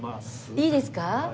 いいですか？